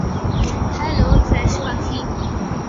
Hello, thrush পাখি।